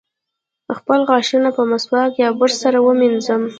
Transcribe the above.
خپل غاښونه په مسواک یا برس سره مینځم.